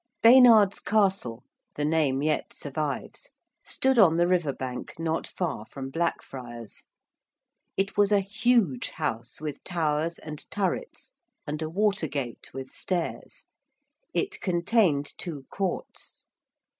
Baynard's Castle the name yet survives stood on the river bank not far from Blackfriars. It was a huge house with towers and turrets and a water gate with stairs. It contained two courts.